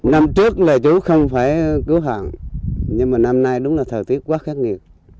năm trước là chủ không phải cứu hạn nhưng mà năm nay đúng là thời tiết quá khắc nghiệt